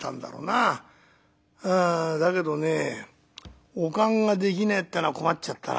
あだけどねお燗ができねえってのは困っちゃったなこれな。